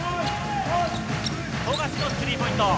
富樫のスリーポイント！